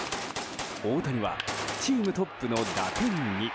大谷はチームトップの打点２。